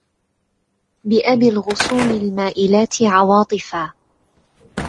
بأبي الغصون المائلات عواطفا